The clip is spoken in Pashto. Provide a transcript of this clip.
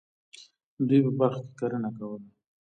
دوی په بلخ کې کرنه کوله.